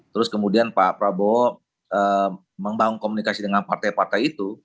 terus kemudian pak prabowo membangun komunikasi dengan partai partai itu